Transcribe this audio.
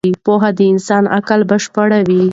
پوهه د انسان عقل بشپړوي.